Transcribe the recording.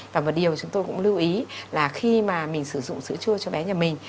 và một điều chúng tôi cũng lưu ý là khi mà mình sử dụng sữa chua cho bé nhà mình